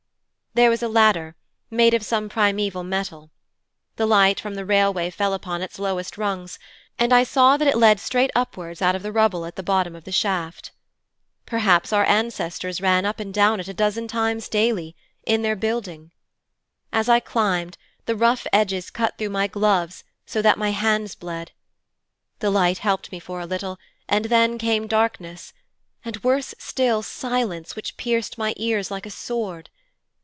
'There was a ladder, made of some primćval metal. The light from the railway fell upon its lowest rungs, and I saw that it led straight upwards out of the rubble at the bottom of the shaft. Perhaps our ancestors ran up and down it a dozen times daily, in their building. As I climbed, the rough edges cut through my gloves so that my hands bled. The light helped me for a little, and then came darkness and, worse still, silence which pierced my ears like a sword.